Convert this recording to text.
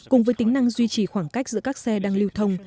cùng với tính năng duy trì khoảng cách giữa các xe đang lưu thông